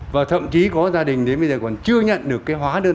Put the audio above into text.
và thậm chí có gia đình đến bây giờ còn chưa nhận được cái hóa đơn